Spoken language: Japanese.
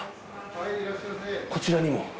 こちらにも。